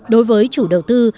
đối với chủ đầu tư